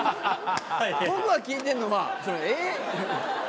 僕が聞いてんのは。